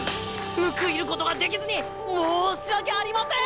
報いることができずに申し訳ありません！